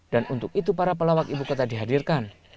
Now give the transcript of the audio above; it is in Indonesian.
dan untuk itu para pelawak ibu kota dihadirkan